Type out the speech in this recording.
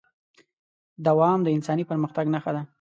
دوام د انساني پرمختګ نښه ده.